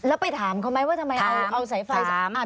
แล้วไปถามเขาไหมว่าทำไมเอาสายไฟ